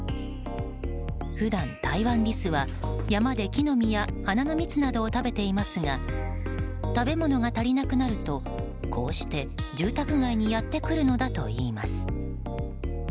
普段、タイワンリスは山で木の実や花の蜜などを食べていますが食べ物が足りなくなるとこうして、住宅街にやってくるのだといいます。